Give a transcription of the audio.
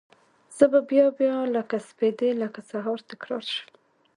زه به بیا، بیا لکه سپیدې لکه سهار، تکرار شم